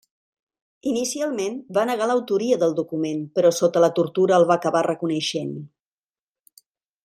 Inicialment va negar l'autoria del document però sota la tortura el va acabar reconeixent.